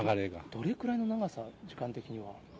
どれくらいの長さ、時間的には？